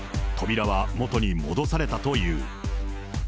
扉は元に戻されたという。